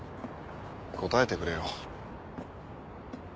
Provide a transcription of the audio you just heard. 答えてくれよ。